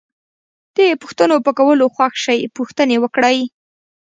د پوښتنو په کولو خوښ شئ پوښتنې وکړئ.